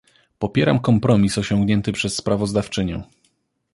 Popieram kompromis osiągnięty przez sprawozdawczynię